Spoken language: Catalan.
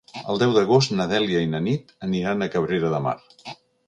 El deu d'agost na Dèlia i na Nit aniran a Cabrera de Mar.